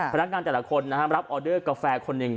พนักงานแต่ละคนรับออเดอร์กาแฟคนหนึ่ง